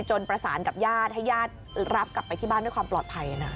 ประสานกับญาติให้ญาติรับกลับไปที่บ้านด้วยความปลอดภัยนะ